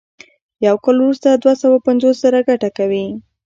یو کال وروسته دوه سوه پنځوس زره ګټه کوي